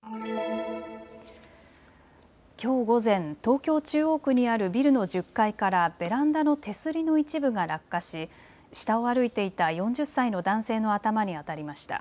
きょう午前、東京中央区にあるビルの１０階からベランダの手すりの一部が落下し下を歩いていた４０歳の男性の頭に当たりました。